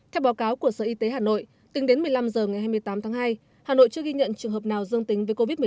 theo báo cáo của sở y tế hà nội tính đến một mươi năm h ngày hai mươi tám tháng hai hà nội chưa ghi nhận trường hợp nào dương tính với covid một mươi chín